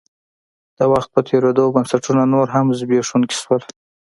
د وخت په تېرېدو بنسټونه نور هم زبېښونکي شول.